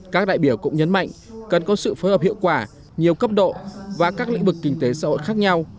các đại biểu cũng nhấn mạnh cần có sự phối hợp hiệu quả nhiều cấp độ và các lĩnh vực kinh tế xã hội khác nhau